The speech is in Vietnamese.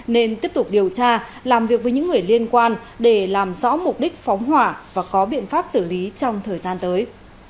nên tiếp tục điều tra làm việc với những người liên quan để làm rõ mục đích phóng hỏa và có biện pháp xử lý trong thời gian tới